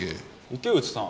池内さん